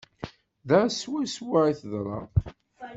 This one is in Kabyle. Da swaswa i d-teḍra.